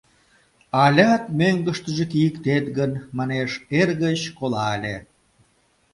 Алят мӧҥгыштыжӧ кийыктет гын, манеш, эргыч кола ыле.